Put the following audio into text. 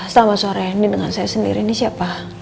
selama sore ini dengan saya sendiri ini siapa